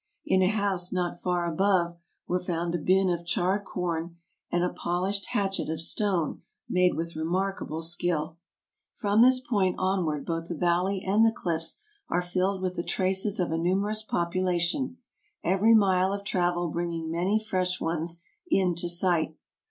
In a house not far above were found a bin of charred corn, and a pol ished hatchet of stone made with remarkable skill. From this point onward both the valley and the cliffs are filled with the traces of a numerous population, every mile of travel bringing many fresh ones into sight.